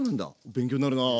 勉強なるなあ。